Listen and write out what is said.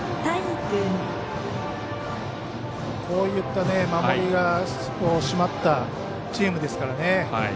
こういった守りが締まったチームですからね。